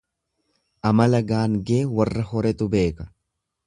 Amala gaangee warra horetu beeka.